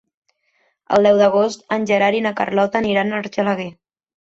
El deu d'agost en Gerard i na Carlota aniran a Argelaguer.